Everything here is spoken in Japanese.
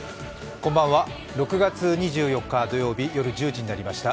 こんばんは、６月２４日土曜日、夜１０時になりました。